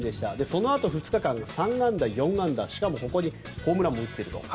そのあと２日間、３安打と４安打ホームランも打っている。